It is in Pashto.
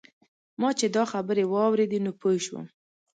ما چې دا خبرې واورېدې نو پوی شوم.